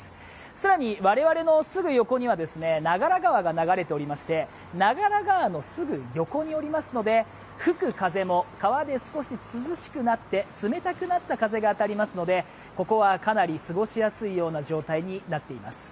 更に我々のすぐ横には長良川が流れておりまして長良川のすぐ横におりますので、吹く風も川で少し涼しくなって冷たくなった風が当たりますのでここはかなり過ごしやすいような状態になっています。